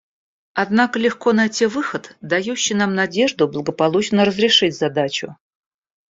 Однако легко найти выход, дающий нам надежду благополучно разрешить задачу.